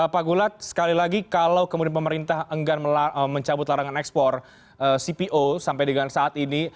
pak gulat sekali lagi kalau kemudian pemerintah enggan mencabut larangan ekspor cpo sampai dengan saat ini